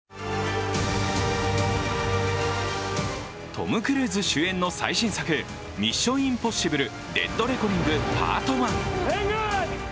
トム・クルーズ主演の最新作「ミッション：インポッシブル／デッドレコニングＰＡＲＴＯＮＥ」